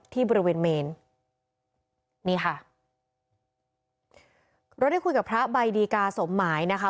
ที่บริเวณเมนนี่ค่ะเราได้คุยกับพระใบดีกาสมหมายนะคะ